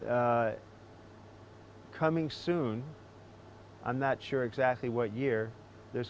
akan datang saya tidak yakin tahun apa